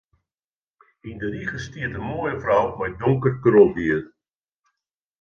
Yn de rige stiet in moaie frou mei donker krolhier.